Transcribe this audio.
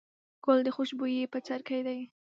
ګل د خوشبويي بڅرکی دی.